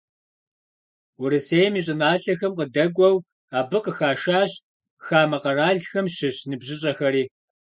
Урысейм и щӀыналъэхэм къыдэкӀуэу, абы къыхашащ хамэ къэралхэм щыщ ныбжьыщӀэхэри.